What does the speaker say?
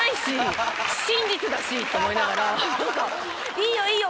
いいよいいよ